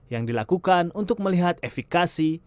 yang dilakukan untuk melihat efekasi